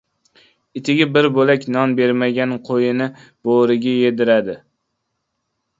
• Itiga bir bo‘lak non bermagan qo‘yini bo‘riga yediradi.